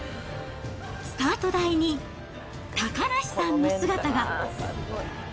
スタート台に、高梨さんの姿が。